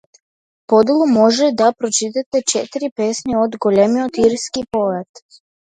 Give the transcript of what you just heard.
Подолу може да прочитате четири песни од големиот ирски поет.